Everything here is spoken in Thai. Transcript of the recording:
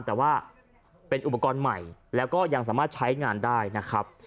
แต่ว่าเป็นอุปกรณ์ใหม่แล้วก็ยังสามารถใช้งานได้นะครับ